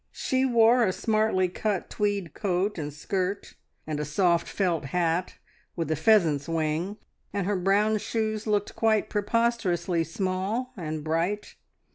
She wore a smartly cut tweed coat and skirt, and a soft felt hat with a pheasant's wing, and her brown shoes looked quite preposterously small and bright.